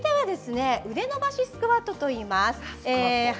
腕伸ばしスクワットといいます。